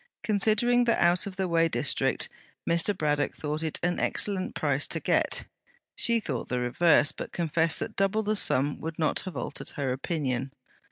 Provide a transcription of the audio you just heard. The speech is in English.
Considering the out of the way district, Mr. Braddock thought it an excellent price to get. She thought the reverse, but confessed that double the sum would not have altered her opinion.